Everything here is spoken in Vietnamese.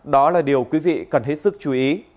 đó là điều quý vị cần hết sức chú ý